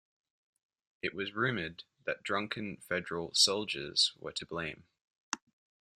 It was rumored that drunken federal soldiers were to blame.